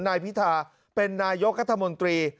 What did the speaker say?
นายพิธาเป็นนายกรัฐมนตรี